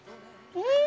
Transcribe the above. うん。